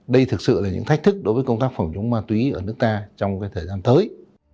đây thực sự là những thách thức đối với công tác phòng chống ma túy ở nước ta trong thời gian tới